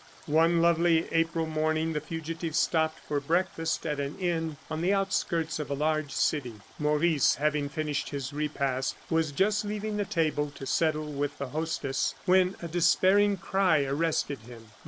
One lovely April morning the fugitives stopped for breakfast at an inn on the outskirts of a large city. Maurice having finished his repast was just leaving the table to settle with the hostess, when a despairing cry arrested him.